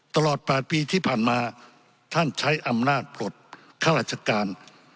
ตลอด๘ปีที่ผ่านมาท่านใช้อำนาจปลดข้าราชการ